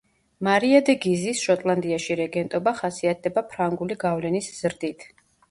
მარია დე გიზის შოტლანდიაში რეგენტობა ხასიათდება ფრანგული გავლენის ზრდით.